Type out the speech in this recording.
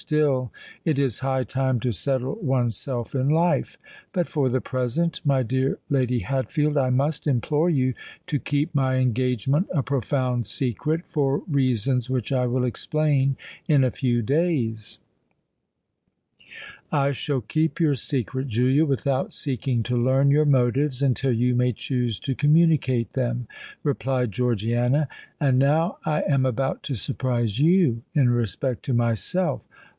Still it is high time to settle one self in life. But for the present, my dear Lady Hatfield, I must implore you to keep my engagement a profound secret—for reasons which I will explain in a few days——" "I shall keep your secret, Julia, without seeking to learn your motives until you may choose to communicate them," replied Georgiana. "And now I am about to surprise you in respect to myself.